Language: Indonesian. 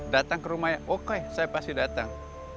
datang ke rumah ya oke saya pasti datang